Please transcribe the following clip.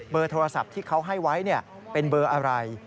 โทรศัพท์ที่เขาให้ไว้เป็นเบอร์อะไร